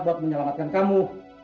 buat menyelamatkan kamu